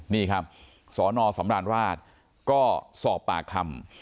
นี่ครับสนสำราญราชก็สอบปากคำ